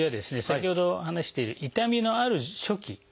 先ほど話している痛みのある初期